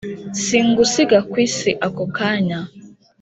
singusiga kwisi"ako kanya